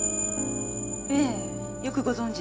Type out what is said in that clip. ええ。よくご存じで。